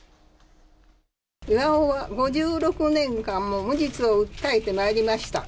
巌は５６年間も無実を訴えてまいりました。